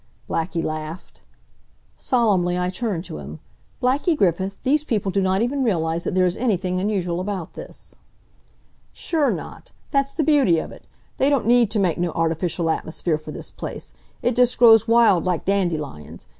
Blackie laughed. Solemnly I turned to him. "Blackie Griffith, these people do not even realize that there is anything unusual about this." "Sure not; that's the beauty of it. They don't need to make no artificial atmosphere for this place; it just grows wild, like dandelions.